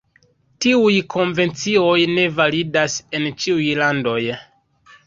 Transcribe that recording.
Tiuj konvencioj ne validas en ĉiuj landoj.